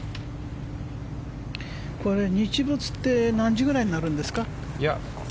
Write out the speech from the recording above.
これ、日没って何時くらいになるんですか。